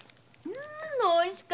んおいしか。